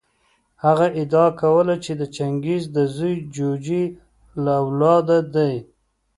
هغه ادعا کوله چې د چنګیز د زوی جوجي له اولاده دی.